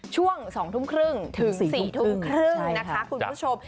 ช่วง๒ทุ่มครึ่งถึง๔ทุ่มครึ่งนะคะคุณผู้ชม